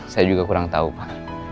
saya juga kurang tahu pak